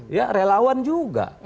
ya relawan juga